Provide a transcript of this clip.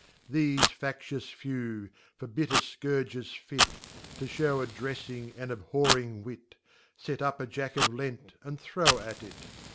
Theft factious Few, for bitter f&arges fir, (To fliew A Jdrejpng and Abhorring Wit) Set up a Jac\ofLent, and throw at it.